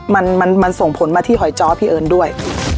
มันมันส่งผลมาที่หอยจ้อพี่เอิญด้วย